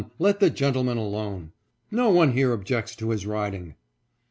Let the gentleman alone ! No one here objects to his riding."